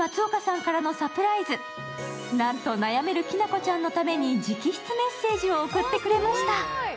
なんと悩めるきなこちゃんのために直筆メッセージを贈ってくれました。